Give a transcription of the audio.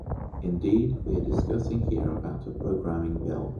Indeed, we are discussing here about a programming bill.